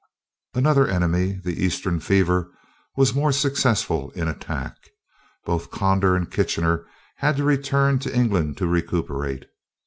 Another enemy, the Eastern fever, was more successful in attack. Both Conder and Kitchener had to return to England to recuperate.